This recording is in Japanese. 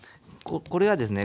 これはですね